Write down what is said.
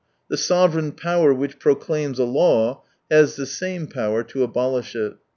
The sovereign power which proclaims a law has the same power to abolish it.